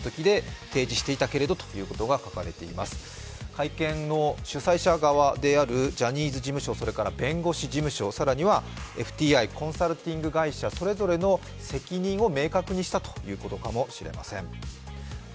会見の主催者側であるジャニーズ事務所、それから弁護士事務所、更にはＦＴＩコンサルティング会社、それぞれの責任を明確にしたということかもしれません。